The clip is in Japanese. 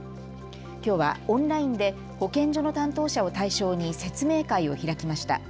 きょうはオンラインで保健所の担当者を対象に説明会を開きました。